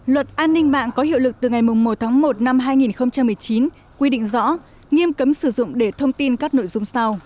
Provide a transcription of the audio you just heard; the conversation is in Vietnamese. luật an ninh mạng có hiệu lực từ ngày một tháng một năm hai nghìn một mươi chín quy định rõ nghiêm cấm sử dụng để thông tin các nội dung sau